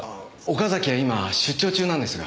岡崎は今出張中なんですが。